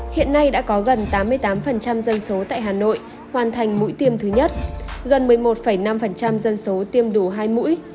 hiện nay đã có gần tám mươi tám dân số tại hà nội hoàn thành mũi tiêm thứ nhất gần một mươi một năm dân số tiêm đủ hai mũi